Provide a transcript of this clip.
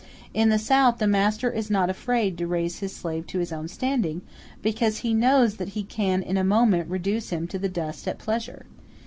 In the South the master is not afraid to raise his slave to his own standing, because he knows that he can in a moment reduce him to the dust at pleasure.